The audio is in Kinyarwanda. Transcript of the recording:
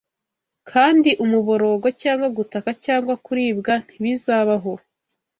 kandi umuborogo cyangwa gutaka cyangwa kuribwa ntibizabaho